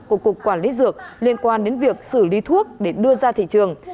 của cục quản lý dược liên quan đến việc xử lý thuốc để đưa ra thị trường